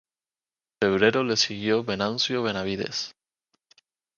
En febrero le siguió Venancio Benavides.